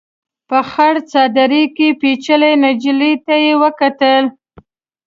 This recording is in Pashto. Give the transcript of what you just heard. په خړ څادر کې پيچلې نجلۍ ته يې وکتل.